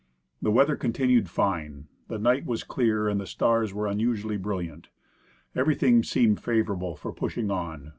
The weather continued fine. The night was clear and the stars were unusually brilliant. Everything seemed favorable for pushing on.